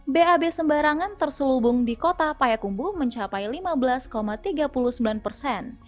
bab sembarangan terselubung di kota payakumbu mencapai lima belas tiga puluh sembilan persen